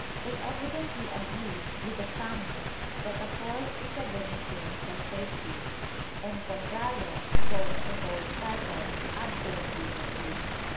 They evidently agreed with the Psalmist that "a horse is a vain thing for safety," and Contrario, told to hold Cyclops, absolutely refused.